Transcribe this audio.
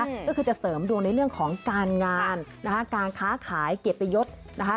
ก็คือจะเสริมดวงในเรื่องของการงานนะคะการค้าขายเกียรติยศนะคะ